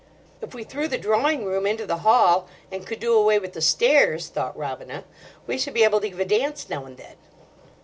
"If we threw the drawing room into the hall and could do away with the stairs," thought Robina, "we should be able to give a dance now and then."